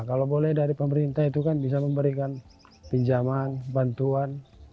kalau boleh dari pemerintah itu kan bisa memberikan pinjaman bantuan